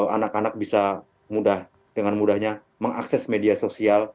anak anak bisa dengan mudahnya mengakses media sosial